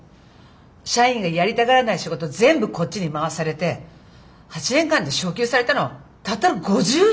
社員がやりたがらない仕事全部こっちに回されて８年間で昇給されたのたったの５０円！